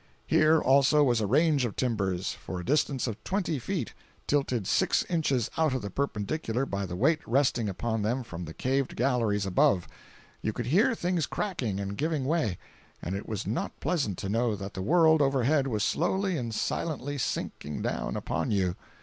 Here, also, was a range of timbers, for a distance of twenty feet, tilted six inches out of the perpendicular by the weight resting upon them from the caved galleries above. You could hear things cracking and giving way, and it was not pleasant to know that the world overhead was slowly and silently sinking down upon you.